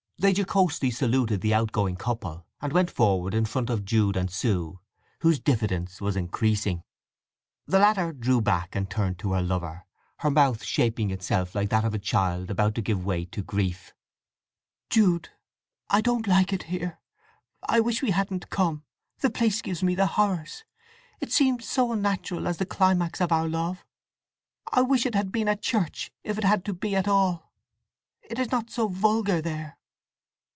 They jocosely saluted the outgoing couple, and went forward in front of Jude and Sue, whose diffidence was increasing. The latter drew back and turned to her lover, her mouth shaping itself like that of a child about to give way to grief: "Jude—I don't like it here! I wish we hadn't come! The place gives me the horrors: it seems so unnatural as the climax of our love! I wish it had been at church, if it had to be at all. It is not so vulgar there!"